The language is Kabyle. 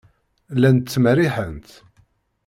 Llant ttmerriḥent.